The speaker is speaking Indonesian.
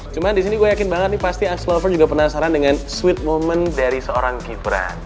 cuman di sini gue yakin banget nih pasti akslover juga penasaran dengan sweet moment dari seorang gibran